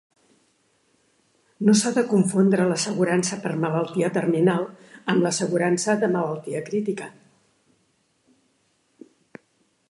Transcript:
No s'ha de confondre l'assegurança per malaltia terminal amb l'assegurança de malaltia crítica.